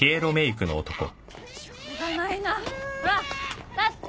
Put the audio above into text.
しょうがないなほら立って！